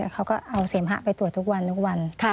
เขาก็เอาเสมหะไปตรวจทุกวัน